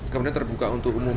kemudian terbuka untuk umum